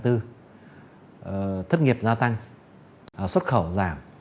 thất nghiệp gia tăng xuất khẩu giảm